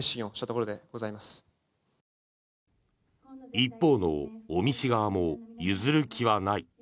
一方の尾身氏側も譲る気はない。